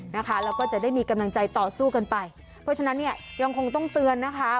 นะคะแล้วก็จะได้มีกำลังใจต่อสู้กันไปเพราะฉะนั้นเนี่ยยังคงต้องเตือนนะคะ